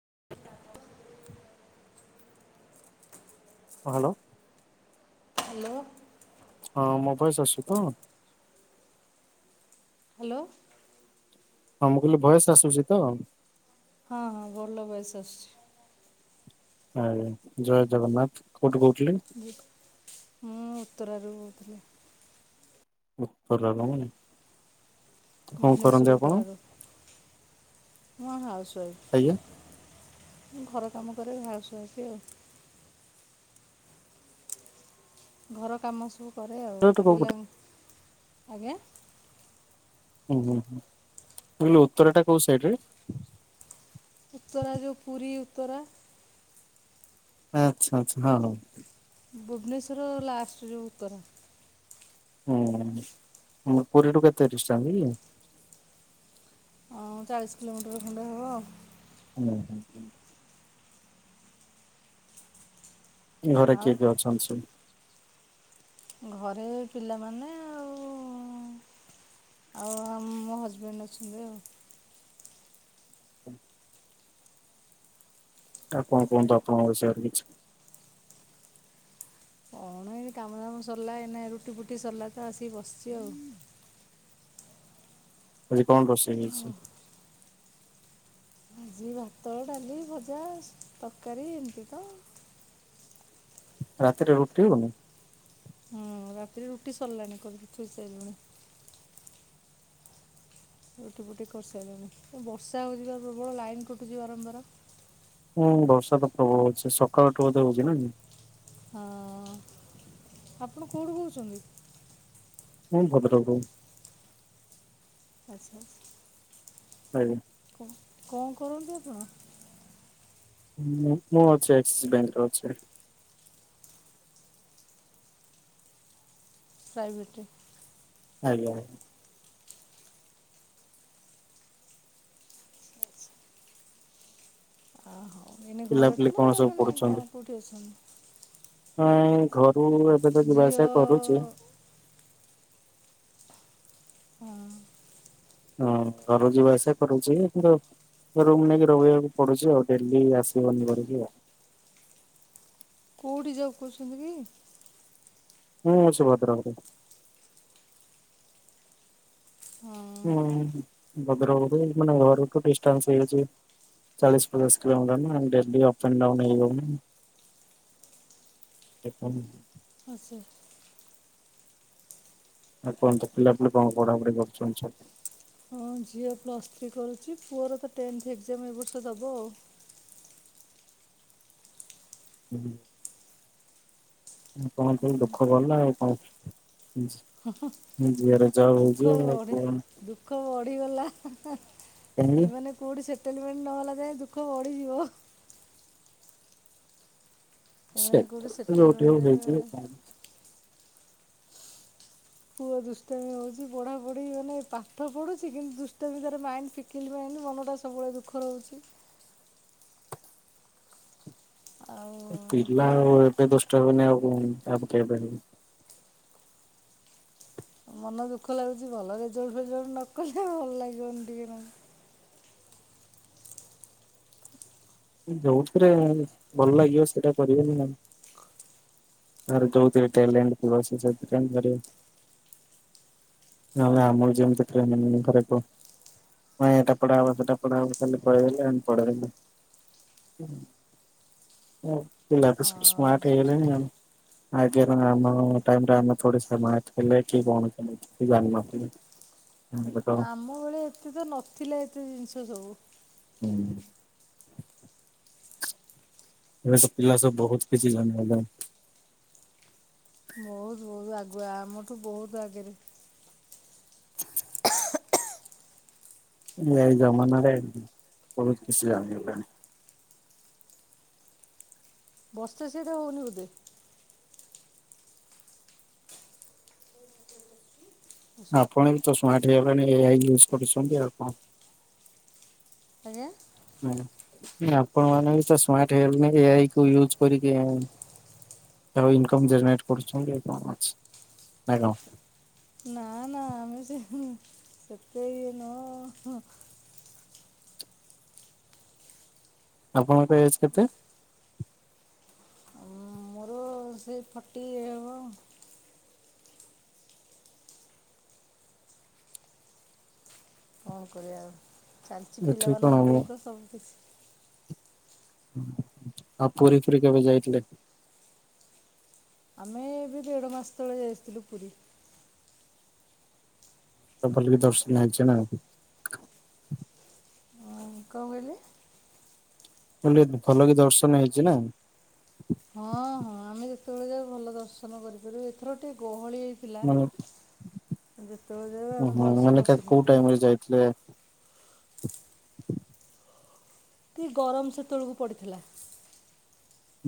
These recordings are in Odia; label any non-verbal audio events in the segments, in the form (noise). (unintelligible) ହଁ ହ୍ୟାଲୋ ହ୍ୟାଲୋ ହଁ ମୋ ବସ ଅସୁ ତ ହ୍ୟାଲୋ ହଁ ମୁଁ କହିଲି ଭଏସ ଆସୁଚି ତ? ହଁ ହଁ ଭଲ ଭଏସ ଆସୁଚି। ଆଜ୍ଞା ଜୟ ଜଗନ୍ନାଥ କୋଉଠି କହୁଥିଲେ? ମୁଁ ଉତ୍ତରାରୁ କହୁଥିଲି। ଉତ୍ତରାରୁ ନାଇ କଣ ଭୁବନେଶ୍ୱର କରନ୍ତି ଆପଣ? ଉତ୍ତରାରୁ ମୁଁ ହାଉସ୍ ୱାଇଫ୍। ଆଜ୍ଞା ଘର କାମ କରେ ହାଉସ୍ ୱାଇଫ ଆଉ। ଘର କାମ ସବୁ କରେ ଆଉ ଉତ୍ତରାଟା କୋଉ ପିଲା ପଟେ ଆଜ୍ଞା ହୁଁ ହୁଁ କଲୁ ଉତ୍ତର ଟା କୋଉ ସାଇଡ ରେ? ଉତ୍ତରା ଯେଉଁ ପୁରୀ ଉତ୍ତରା ଆଚ୍ଛା ଆଚ୍ଛା ହଁ ହଁ ଭୁବନେଶ୍ୱର ଲାଷ୍ଟ ଯେଉ ଉତ୍ତରା ହୁଁ ପୁରୀଠୁ କେତେ ଡିଷ୍ଟାନ୍ସ କି? ହଁ ଚାଳିଶ କିଲୋମିଟର ଖଣ୍ଡେ ହବ ଆଉ। ହୁଁ ହୁଁ ଘରେ ଆଉ କିଏ କିଏ ଅଛନ୍ତି ସବୁ? ଘରେ ପିଲାମାନେ ଆଉ ଆଉ ଆ ମୋ ହଜବେଣ୍ଡ ଅଛନ୍ତି ଆଉ। ହୁଁ ଆପଣ କୁହନ୍ତୁ ଆପଣଙ୍କ ବିଷୟରେ କିଛି। ହଁ ଏନେ କାମଦାମ ସରିଲା ଏଇନେ ରୁଟି ଫୁଟି ସରିଲା ତ ଆସିକି ବସିଛି ଆଉ। ଆଜି କଣ ରୋଷେଇ ହେଇଛି? ଆଜି ଭାତ, ଡାଲି, ଭଜା, ତରକାରୀ ଏମିତି ତ ରାତିରେ ରୁଟି ହୋଉନି? ହୁଁ ରାତିରେ ରୁଟି ସରିଲାଣି କରିକି ଥୋଇ ସାରିଲିଣି। ରୁଟି ଫୁଟି କରିସାରିଲଣି ବର୍ଷା ହେଉଛିି ବା ପ୍ରବଳ ଲାଇନ୍ କୁଟୁଛି ବାରମ୍ବାର। ହୁଁ ବର୍ଷା ତ ପ୍ରବଳ ଅଛି ସକାଳୁଠୁ ବଧେ ହଉଛି ନାକି ହଁ ଆପଣ କୋଉଠୁ କହୁଛନ୍ତି? ମୁଁ ଭଦ୍ରକ ଆଚ୍ଛା ଆଜ୍ଞା କଣ କରନ୍ତି ଆପଣ? ମୁଁ ମୁଁ ଅଛି ଆକ୍ସିସ୍ ବ୍ୟାଙ୍କରେ ଅଛି। ପ୍ରାଇଭେଟ୍ ଆଜ୍ଞା। ଏଇନା ଘରଠି ପିଲାପିଲି ନା କଣ ସବୁ ମାନେ କଣ କୋଉଠି ଅଛନ୍ତି? ନାଇଁ ଘରୁ ଏବେ ତ ଯିବା ଝିଅ ଆସିବା କରୁଚି। ହଁ। ହଁ ଘରୁ ଯିବା ଆସିବା କରୁଚି କିନ୍ତୁ ରୁମ୍ ନେଇକି ରହିବାକୁ ପଡୁଚି ଆଉ ଡେଲି ଆସିବନି ଘରକୁ ଆଉ। କୋଉଠି ଜବ୍ କରୁଛନ୍ତି କି? ହୁଁ ସୁଭଦ୍ରାପୁରୁ। ହଁ ହୁଁ ଭଦ୍ରକରୁ ମାନେ ଘରଠୁ ଡିସଟାନ୍ସ୍ ହେଇଚି। ଚାଳିଶ୍ ପଚାଶ୍ କିଲୋମିଟର୍ ନା ଡେଲି ଅପ୍ ଆଣ୍ଡ ହେଇ ହୋଉନି। (unintelligible) ଆସେ ଆଉ କୁହନ୍ତୁ ପିଲା ପିଲି କଣ ପଢ଼ା ପଢ଼ି କରୁଛନ୍ତି ସବୁ? ହଁ ଝିଅ ପ୍ଲସ୍ ଥ୍ରୀ କରୁଚି ପୁଅର ତ ଟେନ୍ଥ୍ ଏଗ୍ଜାମ୍ ଏ ବର୍ଷ ଦବ ଆଉ। ହୁଁ। ଆପଣଙ୍କ ଦୁଃଖ ଗଲା ଆଉ କଣ। ଝିଅର ଜବ୍ ଦୁଃଖ ହେଇଯିବ ଆଉ ବଢ଼ି ପୁଅ ଦୁଃଖ ବଢିଗଲା କାହିଁକି ଏମାନେ କେଉଠି ସେଟେଲମେଣ୍ଟ୍ ନହେଲା ଯାଏ ଦୁଃଖ ବଢ଼ିଯିବ। ସେମାନେ କୋଉଠି ସେଟେଲ୍ ତ ଯୋଉଠି ହଉ ହେଇଯିବ ସେଟଲମେଣ୍ଟ୍ କଣ। ପୁଅ ଦୁଷ୍ଟାମି ହୋଉଚି ପଢା ପୁଢି ମାନେ ପାଠ ପଢୁଛି କିନ୍ତୁ ଦୁଷ୍ଟାମି ତାର ମାଇଣ୍ଡ୍ ଫି କିଲ୍ ମାଇଣ୍ଡ୍ ମନଟା ସବୁବେଳେ ଦୁଃଖ ରହୁଚି। ଆଉ ପିଲା ଏମିତି ଆଉ ଏବେ ଦୁଷ୍ଟ ହେବେନି ଆଉ ଆ କେବେ ହେବେ। ମନ ଦୁଃଖ ଲାଗୁଚି ଭଲ ରେଜଲ୍ଟ୍ ଫେଜାଲ୍ଟ୍ ନ କଲେ ଭଲ୍ ଲାଗିବନି ଟିକେ ନ ଯୋଉଥିରେ ଭଲ ଲାଗିବ ସେଇଟା କରିବେ ନି ନା। ତାର ଜୋଉଥିରେ ଟ୍ୟାଲେଣ୍ଟ୍ ଥିବ ସିଏ ସେଇଥିରେ ହିଁ କରିବ। ନହେଲେ ଆମର ଯେମିତି ଟ୍ରେନ୍ ନି କରେଇବ। ନାଇଁ ଏଟା ପଢେଇବ ସେଟା ପଢାବ ଖାଲି କହିଦେଲେ ଆମେ ପଳେଇଆଇଲୁ। ପିଲା ତ ସବୁ ହଁ ସ୍ମାର୍ଟ ହେଇଗଲେଣି ଆଉ। ଆଜ୍ଞା ଆମ ଟାଇମ ରେ ଆମେ ପଢ଼ିଥି କିଏ କଣ କେମିତି। କିଛି ଜାଣିନଥିଲେ। ଏବେ ତ ଆମ ବେଳେ ଏତେ ତ ନଥିଲା ଏତେ ଜିନ୍ଷ ସବୁ। ହୁଁ। ଏବେ ତ ପିଲା ସବୁ ବହୁତ କିଛି ଜନିଗଲେଣି। ବୋହୁତ୍ ବୋହୁତ୍ ଆଗୁଆ ଆମଠୁ ବୋହୁତ୍ ଆଗେରେ। ଏଇ ଜମାନାରେ ବହୁତ୍ କିଛି ଜାଣିଗଲେଣି। ବର୍ଷା ସିଆଡେ ହୋଉନି ବୋଧେ? ଆପଣ ବି ତ ସ୍ମାର୍ଟ୍ ହେଇଗଲେଣି ଏ ଆଇ ୟୁଜ୍ କରୁଛନ୍ତି ଆଉ କଁ। ଆଜ୍ଞା। ହୁଁ ଆପଣ ମାନେ ବି ତ ସ୍ମାର୍ଟ ହେଇଗଲେଣି ଏ ଆଇ କୁ ୟୁଜ୍ କରିକି ଆଉ। ତ ଇନକମ୍ ଜେନେରେଟ୍ କରୁଚନ୍ତି କଣ ଅଛି ନାଁ କଣ? ନାଁ ନାଁ ଆମେ ସେ, ସେତେ ଇଏ ନୁହଁ। ଆପଣଙ୍କର ଏଜ୍ କେତେ? ଓ ସେ ଫଟି ଏ ହବ। କଣ କରିବା ଆଉ ଚାଲିଚି ଏଠି କଣ ପିଲାମାନଙ୍କ ହବ ପାଇଁ ତ ସବୁ କିିଛି। ଆଉ ପୁରୀ ଫୁରୀ କେବେ ଯାଇଥିଲେ? ଆମେ ଏବେ ଦେଢ ମାସ ତଳେ ଯାଇଥିଲୁ ପୁରୀ। ତ ଭଲକି ଦର୍ଶନ ହେଇଛି ନା? ହଁ କଁ କହିଲେ? କଲି ଭଲକି ଦର୍ଶନ ହେଇଚି ନା? ହଁ ହଁ। ଆମେ ଯେତେବେଳେ ଯାଉ ଭଲ ଦର୍ଶନ କରିପାରୁ ଏଥର ଟିକେ ଗହଳି ଥିଲା ମାନେ ଯେତେବେଳେ ଯାଉ ଆମେ ଓହୋ ଭଲସେ ମାନେ ଦରସନ କୋଉ କରୁ। ଟାଇମ ରେ ଯାଇଥିଲେ। ହ କି ଗରମ ସେତବେଳକୁ ପଡ଼ିଥିଲା।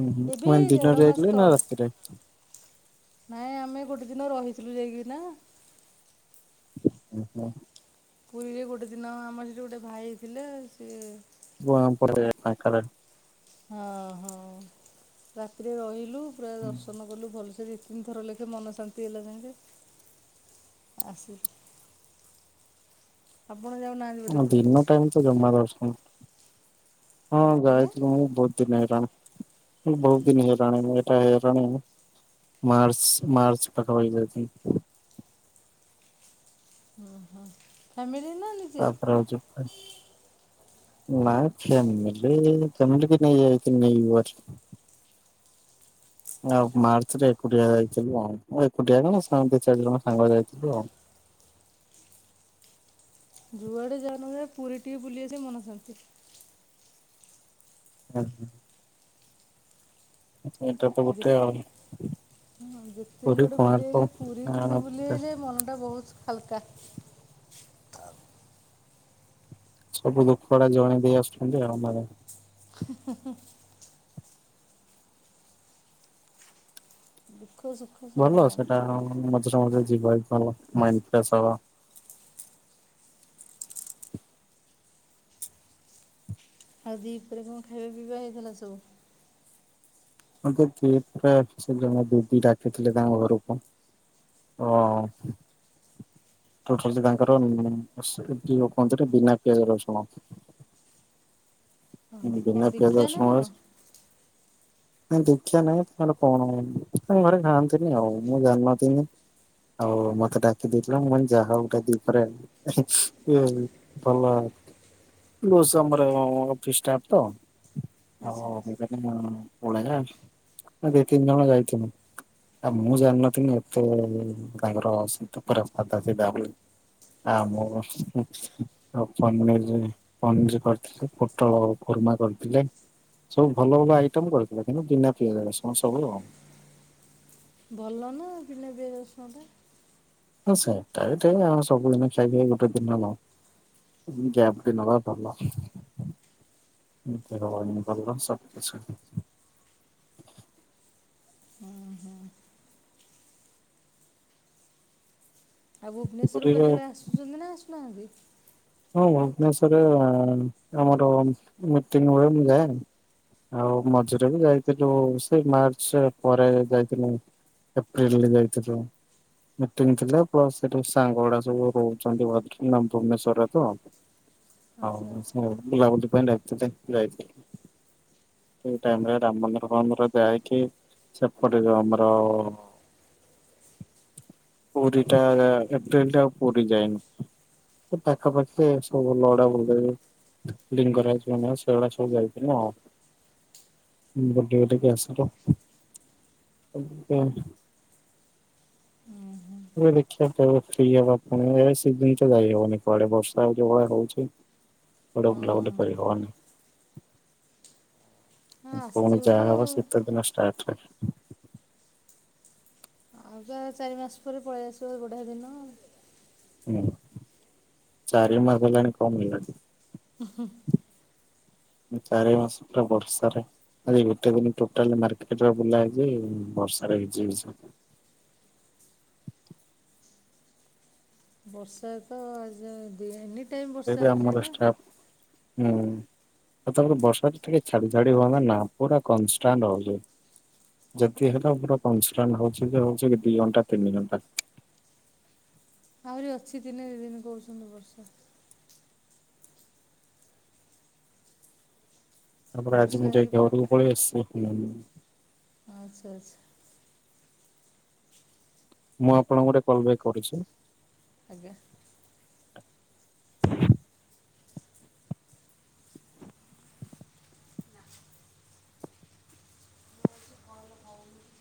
ହୁଁ ହୁଁ ଏବେ ମାନ ଦେଢ଼ ଦିନରେ ମାସ ଯଇଥିଲେ ନା ତଳେ ରାତିରେ। ନାଇଁ ଆମେ ଗୋଟେ ଦିନ ରହିଥିଲୁ ଯାଇକି ନା। (inaudible) ପୁରୀରେ ଗୋଟେ ଦିନ ଆମର ସେଠି ଗୋଟେ ଭାଇ ଥିଲେ ସି (unintelligible) (inaudible) ହଁ ହଁ ରାତିରେ ରହିଲୁ ପୁରା ଦର୍ଶନ କଲୁ ଭଲସେ ର ତିନିଥର ଲେଖେ ମନ ଶାନ୍ତି ହେଲା ଯାଙ୍ଗେ ଆସି ଆପଣ ଯାଉନାନ୍ତ। ଦିନ ଟାଇମ ତ ଜମା ଦର୍ଶନ ହଁ ଆଜ୍ଞା। ଯାଇଥିଲୁ ମୁ ବହୁତ (unintelligible) ବୋହୁତ ଦିନ ହେଲାଣି ଏଇଟା ହେଇଲାଣି ମାର୍ଚ୍ଚ ମାର୍ଚ୍ଚ ପାଖା ପାଖି ଯାଇଥିଲି। ଓ ହଁ। ଫାମିିଲ ନିଅନି। ଆ ପରେ ଆଉ ଜିବିନାଇ ନା ଫ୍ୟାମିଲି ଫ୍ୟାମିଲି କି ନେଇ ଯାଇଥିନି (unintelligible) ଆଉ ମାର୍ଚ ରେ ଏକୁଟିଆ ଯାଇଥିଲୁ ଆଉ ଏକୁଟିଆ କଣେ ସାଙ୍ଗ ଦି ଚାରି ଜଣ ସାଙ୍ଗ ଯାଇଥିଲୁ ଆଉ। ଯୁଆଡେ ଯାଆ ନ ଯା ପୁରୀ ଟିକେ ବୁଲିିଆସିବୁ ମନସାନ୍ତି। ହୁଁ ହ (unintelligible) ସେଇଟା ତ ଗୋଟେ ଯେତେ ଆଉ ହଁ ଯେତେ ପୁରୀ ଯୁଆଡେ କୋଣାର୍କ ବୁଲିଆଇଲେ ପୁରୀ କିନ୍ତୁ ବୁଲି ଆଉ ଆଇଲେ ମନ ଟା ବୋହୁତ ହାଲକା। ସବୁ ଦୁଃଖ ଉଡା ଜଣେଇ ଦେଇ ଆସୁଛନ୍ତି ଆଉ। (inaudible) ଖୋସ୍ ଭଲ ସେଟା ମଝିରେ ମଝିରେ ଯିବ ଭଲ ମାଇଣ୍ଡ ଫ୍ରେଶ ହବ। ଆଉ ଦିପହରେ କଣ ଖାଇବା ପିଇବା ହେଇଥିଲା ସବୁ। ମତେ କିଏ ପୁରା ସେ ଜଣେ ଦିଦି ଡାକିଥିଲେ ତାଙ୍କ ଘରକୁ। ହଁ (unintelligible) ତାଙ୍କର ଯ କୁହନ୍ତି ବିନା ପିଆଜ ରସୁଣ ଅହ୍ କଣ ବିନା ପିଆଜ ଦୀକ୍ଷା ନା କଣ। ନାଇ ଦୀକ୍ଷା ନାଇଁ ତାଙ୍କର କଣ ତାଙ୍କ ଘରେ ଖାଆନ୍ତିନି ଆଉ ମୁଁ ଜାଣିନଥିନି। ଆଉ ମତେ ଡାକି ଦେଇଥିଲା ମୁଁ କହନୀ ଯା ହଉ ଗୋଟେ ଦିପରେ (inaudible) (unintelligible) ଅଫିସ ଷ୍ଟାଫ୍ ତ ଆଚ୍ଛା (unintelligible) (unintelligible) ଦି ତିନି ଜଣ ଯାଇଥିନୁ। ଆଉ ମୁଁ ଜାଣିନଥିନି ଏତେ ତାଙ୍କର (unintelligible) ସାଧା ସିଧା ବୋଲି। ଆମ (unintelligible) ଆଉ ପନିର ପନିର କରିଥିଲେ ପୋଟଳ କୁର୍ମା କରିଥିଲେ। ସବୁ ଭଲ ଭଲ ଆଇଟମ କରିଥିଲେ କିନ୍ତୁ ବିନା ପିଆଜ ରସୁଣ ସବୁ ଆଉ। ଭଲ ନା ବିନା ପିଆଜ ରସୁଣ ଟା। ହଁ ସେଇଟା ବି ଠିକ୍ ଆଉ ସବୁଦିନ ଖାଇ ଖାଇ ଗୋଟେ ଦିନ ନ ହୋଊ। ଗ୍ୟାପ ଟେ ନବା ଭଲ। (unintelligible) ଉଁ ହୁଁ। ଆଉ ଭୁବନେଶ୍ୱରରୁ ପୁରୀରେ କେତେବେଳେ ଆସୁଛନ୍ତି ନା ଆସୁନାହାନ୍ତି। ହଁ ଭୁବନେଶ୍ଵର ଆମର ମିଟିଂ ବେଳେ ମୁଁ ଯାଏ। ଆଉ ମଝିରେ ବି ଯାଇଥିଲୁ ସେଇ ମାର୍ଚ୍ଚ ପରେ ଯାଇଥିଲୁ। ଏପ୍ରିଲ ରେ ଯାଇଥିଲୁ। ମିଟିଙ୍ଗ ଥିଲା ପ୍ଲସ ସେଠୁ ସାଙ୍ଗଗୁଡା ସବୁ ରହୁଛନ୍ତି ଭ୍ର ମାନେ ଭୁବନେଶ୍୍ୱର ତ ଆଚ୍ଛା ଆଉ ସେମାନେ ବୁଲାବୁଲି ପାଇଁ ଡାକିଥିଲେ ଯାଇଥିଲି। ସେଇ ଟାଇମ ରେ ରାମ ମନ୍ଦିର ଫନ୍ଦୀର ଯାଇକି ସେପଟେ ଯଉ ଆମର (inaudible) ପୁରୀଟା ଏପ୍ରିଲ ଟା ଆଉ ପୁରୀ ଯାଇନି। ପାଖାପାଖି ସବୁ ଭଲ ଗୁଡ଼ା ବୁଲିଦବୁ। ଲିଙ୍ଗ ରାଜ ମନ୍ଦୀର ସେଗୁଡ଼ା ସବୁ ଯାଇଥିଲୁ ଆଉ। ଏବେ ଡିଉଟି କୁ ଆସିଲୁ (unintelligible) ଏବେ ଦେଖିବା କୁଆଡେ଼ ଗୋଟେ ଫ୍ରୀ ହେବା ଏ ସିଜିନ୍ ତ ଯାଇ ହବନି କୁଆଡ଼େ ବର୍ଷା ଯଉ ଭଳିଆ ହଉଛି। କୁଆଡ଼େ ହଁ ବୁଲାବୁଲି କରି ହବନି। ହଁ ପୁଣି ଆସିଯିବ ତ ଯାହା ହବ ଆଉ। ଶୀତ ଦିନେ ଷ୍ଟାର୍ଟ। ଆଉ ତ ଚାରି ମାସ ପରେ ପଳେଇ ଆସିବ ବଢ଼ିଆ ଦିନ। ହୁଁ ଚାରି ମାସହେଲାଣି କମ୍ ହେଲାଣି। (unintelligible) ଚାରି ମାସ ପୁରା ବର୍ଷାରେ ଆଯି ଗୋଟେ ଦିନ ଟୋଟାଲ ମାର୍କେଟ ରେ ବୁଲା ହେଇଛି ବର୍ଷ ରେ ଭିଜି ଭିଜି। ବର୍ଷାରେ ତ ଆଯି ଦିଆହେଇନି ଏନି ଟାଇମ୍ ସେ ବି ବର୍ଷା ହେଉଛି ଆମର ନା। ଷ୍ଟାଫ ହୁଁ ଆଉ ତାପରେ ବର୍ଷା ଟିକେ ଛାଡ଼ିଛାଡ଼ି ହୁଅନ୍ତା ନା ପୁରା କନଷ୍ଟାଣ୍ଟ ହଉଛି। ଯଦି ହେଲା ପୁରା କନ୍ଷ୍ଟାନ୍ଟ ହଉଛି ଯେ ହଉଛି ଦି ଘଣ୍ଟା ତିନି ଘଣ୍ଟା। ଆହୁରି ଅଛି ତିନି ଦିନ କହୁଛନ୍ତି। ତାପରେ ଆଜି ବର୍ଷା ମୁଁ ଯାଇ ହେଇକି ପୁରା ଘରକୁ ପଳେଇ ଆସିଛି। ଆଚ୍ଛା ଆଚ୍ଛା। ମୁଁ ଆପଣଙ୍କୁ ଗୋଟେ କଲ୍ ବାକ୍ କରୁଛି। ଆଜ୍ଞା। (unintelligible)